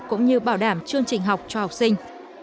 cũng như bảo đảm chương trình học cho học sinh